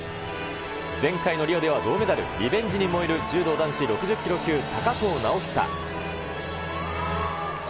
前回のリオでは銅メダル、リベンジに燃える柔道男子６０キロ級、高藤直寿。